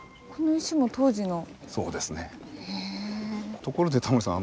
ところでタモリさん